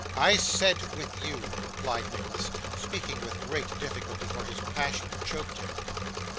'I said with you,' replied Nicholas, speaking with great difficulty, for his passion choked him.